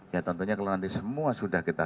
ya tentunya kalau nanti semua sudah kita